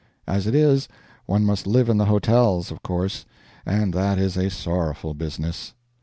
As it is, one must live in the hotels, of course, and that is a sorrowful business.